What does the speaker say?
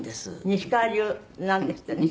西川流なんですってね？